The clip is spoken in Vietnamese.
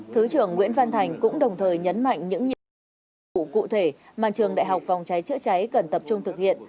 thứ trưởng nguyễn văn thành cũng đồng thời nhấn mạnh những nhiệm vụ dân chủ cụ thể mà trường đại học phòng cháy chữa cháy cần tập trung thực hiện